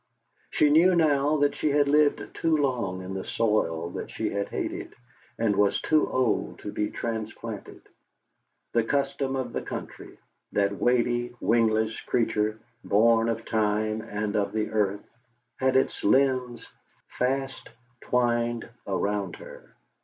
She knew now that she had lived too long in the soil that she had hated; and was too old to be transplanted. The custom of the country that weighty, wingless creature born of time and of the earth had its limbs fast twined around her.